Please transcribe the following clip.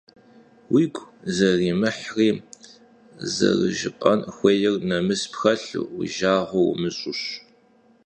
Vuigu zerırimıhri zerıjjıp'en xuêyr nemıs pxelhu, yi jjağue vumış'uş.